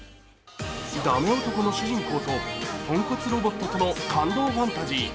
ダメ男の主人公とポンコツロボットとの感動ファンタジー。